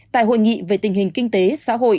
tại hội nghị về tình hình kinh tế xã hội